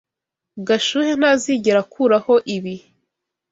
Gashuhe ntazigera akuraho ibi.